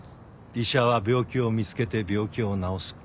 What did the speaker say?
医者は病気を見つけて病気を治す。